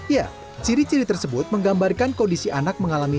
ya ciri ciri tersebut menggambarkan kondisi anak mengalami